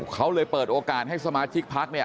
เขาเลยเปิดโอกาสให้สมาชิกพักเนี่ย